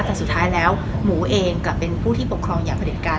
แต่สุดท้ายแล้วหมูเองกลับเป็นผู้ที่ปกครองอย่างประเด็จการ